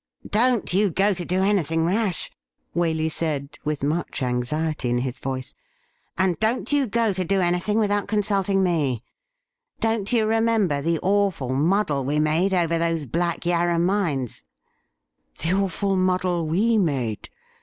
' Don't you go to do anything rash,' Waley said, with 196 THE RIDDLE RING much anxiety in his voice ;' and don't you go to do any thing without consulting me. Don't you remember the awful muddle we made over those Black YaiTa mines '' The awful muddle we made